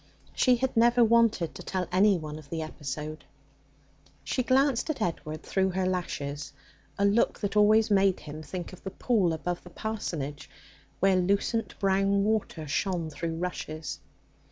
She had never wanted to tell anyone of the episode. She glanced at Edward through her lashes a look that always made him think of the pool above the parsonage, where lucent brown water shone through rushes.